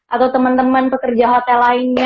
atau teman teman pekerja hotel lainnya